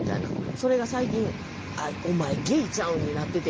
それが最近「お前ゲイちゃうん」になってて。